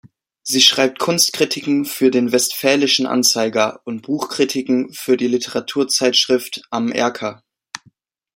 Sie schreibt Kunstkritiken für den Westfälischen Anzeiger und Buchkritiken für die Literaturzeitschrift "Am Erker".